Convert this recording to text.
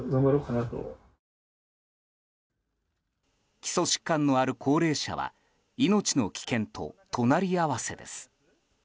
基礎疾患のある高齢者は命の危険と隣り合わせです。